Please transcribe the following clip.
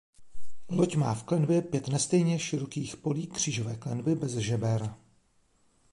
Loď má v klenbě pět nestejně širokých polí křížové klenby bez žeber.